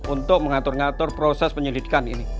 untuk mengatur ngatur proses penyelidikan ini